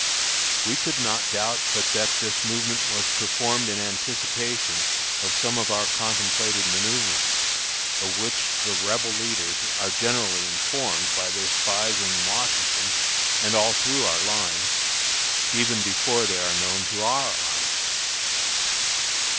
We could not doubt but that this movement was performed in anticipation of some of our contemplated manoeuvrings, of which the Rebel leaders are generally informed by their spies in Washington and all through our lines, even before they are known to our army.